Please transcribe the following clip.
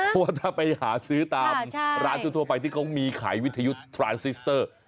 เพราะว่าถ้าไปหาซื้อตามร้านทั่วไปที่เขามีขายวิทยุทรานซิสเตอร์